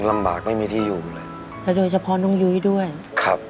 ลำบากไม่มีที่อยู่เลยแล้วโดยเฉพาะน้องยุ้ยด้วยครับ